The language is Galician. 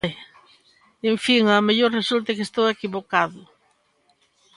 En fin, ao mellor resulta que estou equivocado.